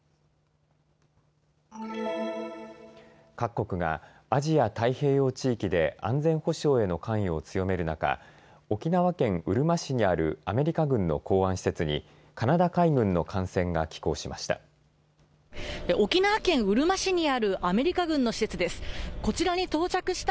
各国がアジア太平洋地域で安全保障への関与を強める中、沖縄県うるま市にあるアメリカ軍の港湾施設にカナダ海軍の艦船が寄港しました。